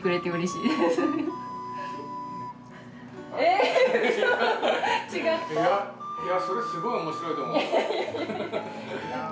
いや、それすごいおもしろいと思うよ。